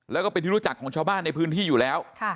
แล้วก็เป็นที่รู้จักของชาวบ้านในพื้นที่อยู่แล้ว